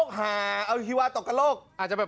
คุณผู้ชมถามมาในไลฟ์ว่าเขาขอฟังเหตุผลที่ไม่ให้จัดอีกที